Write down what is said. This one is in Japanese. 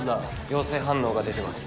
陽性反応が出てます。